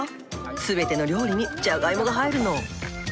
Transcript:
全ての料理にじゃがいもが入るの。